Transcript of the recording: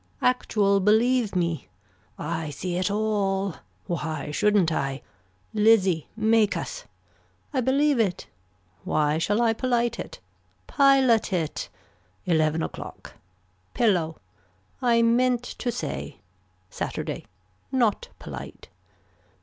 Actual believe me. I see it all. Why shouldn't I. Lizzie Make Us. I believe it. Why shall I polite it. Pilot it. Eleven o'clock. Pillow. I meant to say. Saturday. Not polite.